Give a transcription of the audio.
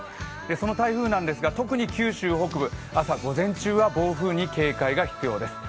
その台風なんですが、特に九州北部朝午前中は暴風に警戒が必要です。